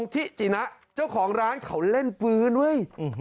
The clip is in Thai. ที่จินะเจ้าของร้านเขาเล่นปืนเว้ยอืมหืม